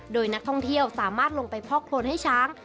โดยนักท่องเที่ยวสามารถลงไปพอกโครนให้ช้าง